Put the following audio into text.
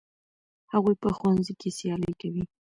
هغوی په ښوونځي کې سیالي کوي.